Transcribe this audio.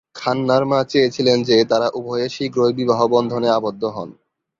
খান্নার মা চেয়েছিলেন যে তাঁরা উভয়ে শীঘ্রই বিবাহ বন্ধনে আবদ্ধ হন।